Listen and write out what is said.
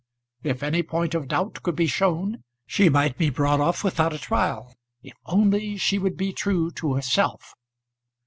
If any point of doubt could be shown, she might be brought off without a trial, if only she would be true to herself.